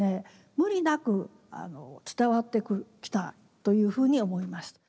無理なく伝わってきたというふうに思いました。